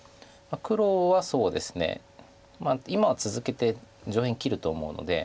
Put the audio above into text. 黒は今は続けて上辺切ると思うので。